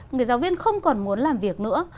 người giáo viên không còn muốn làm việc nữa